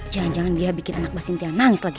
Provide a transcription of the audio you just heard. jangan jangan dia bikin anak mbak sintian nangis lagi